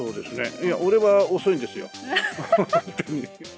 いや、俺は遅いんですよ、本当に。